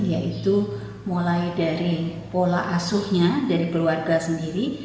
yaitu mulai dari pola asuhnya dari keluarga sendiri